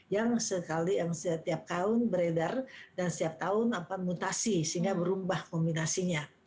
yang setiap tahun beredar dan setiap tahun mutasi sehingga berubah kombinasinya